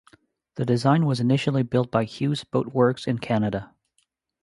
The design was initially built by Hughes Boat Works in Canada.